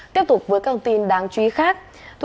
tiếp tục với các thông tin đáng chú ý khác